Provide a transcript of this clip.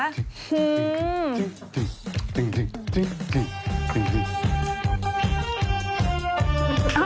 อ้าวอันนี้คือเมื่อ๓๐ปีที่แล้ว